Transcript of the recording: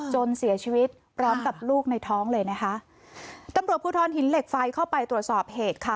จนเสียชีวิตพร้อมกับลูกในท้องเลยนะคะตำรวจภูทรหินเหล็กไฟเข้าไปตรวจสอบเหตุค่ะ